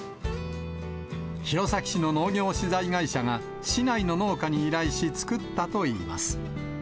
弘前市の農業資材会社が市内の農家に依頼し、作ったといいます。